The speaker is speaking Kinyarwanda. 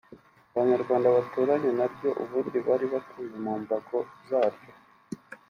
Abanyarwanda baturanye naryo ubundi bari batuye mu mbago zaryo